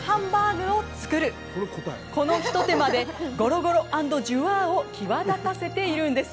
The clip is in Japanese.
このひと手間でゴロゴロ＆ジュワを際立たせているんです。